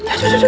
aduh aduh aduh